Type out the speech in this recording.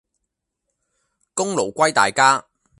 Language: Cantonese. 功勞歸大家